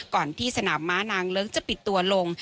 ก่อนที่สนามม้านางเลิ้งจะปิดตัวลง